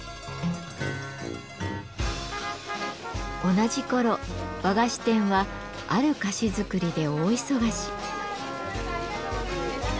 同じ頃和菓子店はある菓子作りで大忙し。